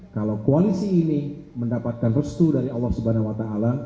kalau koalisi ini mendapatkan restu dari allah swt